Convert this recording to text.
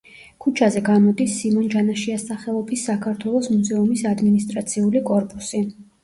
ქუჩაზე გამოდის სიმონ ჯანაშიას სახელობის საქართველოს მუზეუმის ადმინისტრაციული კორპუსი.